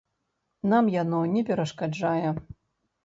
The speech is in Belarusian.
Нам яно не перашкаджае.